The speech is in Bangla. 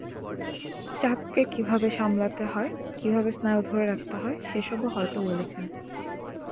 চাপকে কীভাবে সামলাতে হয়, কীভাবে স্নায়ু ধরে রাখতে হয়, সেসবও হয়তো বলেছেন।